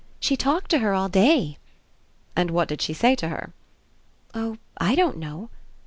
"She talked to her all day." "And what did she say to her?" "Oh I don't know."